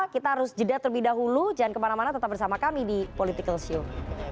kita harus jeda terlebih dahulu jangan kemana mana tetap bersama kami di political show